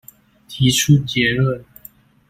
提出結論